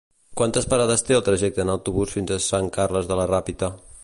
Quantes parades té el trajecte en autobús fins a Sant Carles de la Ràpita?